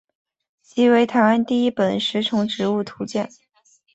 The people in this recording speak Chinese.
其为台湾第一本食虫植物图鉴。